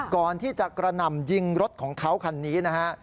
ก่อนที่จะกระหน่ำยิงรถของเขาคันนี้นะฮะ